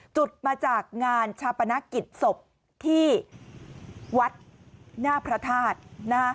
จุดมาจากงานชาปนกิจศพที่วัดหน้าพระธาตุนะฮะ